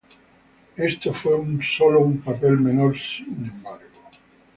Esto fue sólo un papel menor, sin embargo.